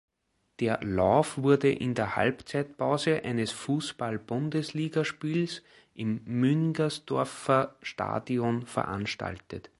Der Lauf wurde in der Halbzeitpause eines Fußball-Bundesligaspiels im Müngersdorfer Stadion veranstaltet.